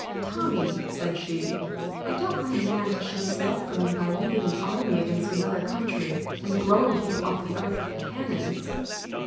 "Tommy," said she, "I don't want a man to show his love for me by leading an army against another country and blowing people off the earth with cannons."